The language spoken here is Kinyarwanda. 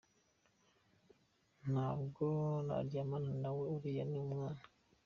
Ntabwo naryamana nawe uriya ni umwana.